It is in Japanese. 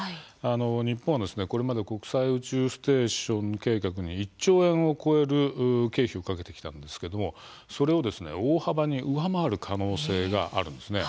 日本はこれまで国際宇宙ステーション計画に１兆円を超える経費をかけてきたんですけれども、それを大幅に上回る可能性があるんです。